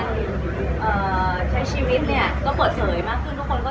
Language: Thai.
ทุกคนก็จะรู้แล้วเราเป็นเจ้าสาวีภรยากัน